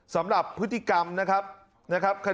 สำหรับพฤติกรรมนะครับ